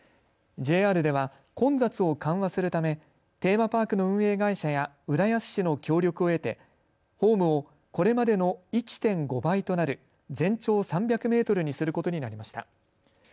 ＪＲでは、混雑を緩和するためテーマパークの運営会社や浦安市の協力を得てホームをこれまでの１．５倍となる全長３００メートルにすることになりました。